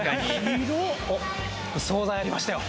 おっ惣菜ありましたよ